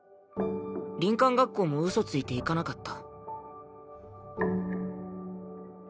林間学校もウソついて行かなかった。